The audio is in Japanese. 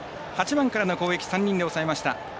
８番からの攻撃３人で抑えました。